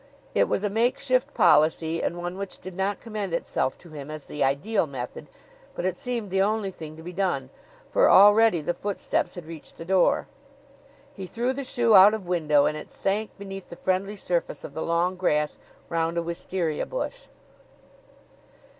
It was a makeshift policy, and one which did not commend itself to him as the ideal method, but it seemed the only thing to be done, for already the footsteps had reached the door. He threw the shoe out of window, and it sank beneath the friendly surface of the long grass round a wisteria bush.